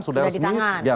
sudah di tangan